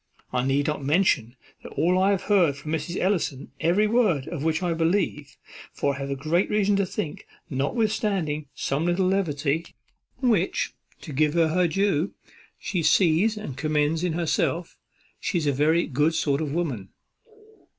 I need not mention all that I have heard from Mrs. Ellison, every word of which I believe; for I have great reason to think, notwithstanding some little levity, which, to give her her due, she sees and condemns in herself, she is a very good sort of woman."